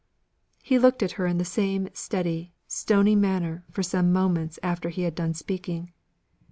He looked at her in the same steady, stony manner, for some moments after he had done speaking.